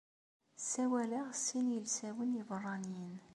Ssawaleɣ sin yilsawen ibeṛṛaniyen.